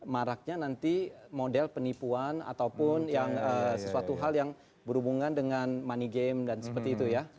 maraknya nanti model penipuan ataupun sesuatu hal yang berhubungan dengan money game dan seperti itu ya